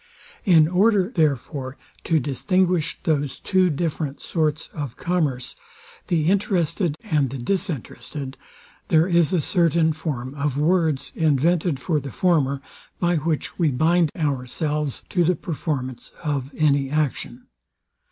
In order, therefore, to distinguish those two different sorts of commerce, the interested and the disinterested, there is a certain form of words invented for the former, by which we bind ourselves to the performance of any action.